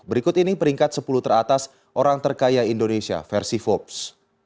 berikut ini peringkat sepuluh teratas orang terkaya indonesia versi forbes